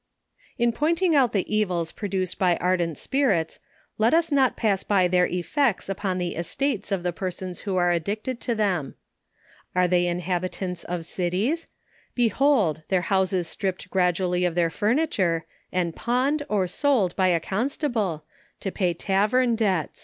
In pointing out the evils produced by ardent spirits, let us not pass by their effects upon the estates of the per sons who are addicted to them. Are they inhabitants of cities ?— Behold ! their houses stripped gradually of their furniture, and pawned, or sold by a constable, to pay tav ern debt.